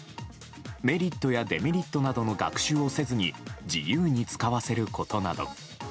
メリットやデメリットなどの学習をせずに自由に使わせることなど。